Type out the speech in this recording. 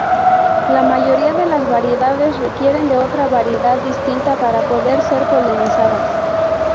La mayoría de las variedades requieren de otra variedad distinta para poder ser polinizadas.